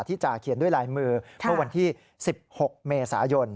ที่จะเขียนด้วยลายมือเมื่อวันที่๑๖เมษายน